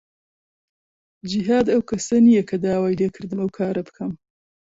جیهاد ئەو کەسە نییە کە داوای لێ کردم ئەو کارە بکەم.